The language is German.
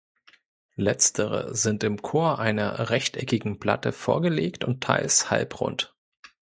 Letztere sind im Chor einer rechteckigen Platte vorgelegt und teils halbrund.